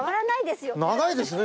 長いですね。